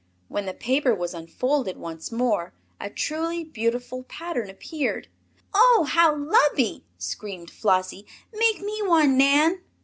When the paper was unfolded once more a truly beautiful pattern appeared. "Oh, how lubby!" screamed Flossie. "Make me one, Nan!"